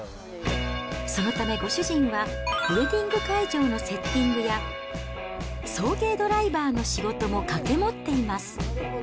そのためご主人は、ウエディング会場のセッティングや、送迎ドライバーの仕事も掛け持っています。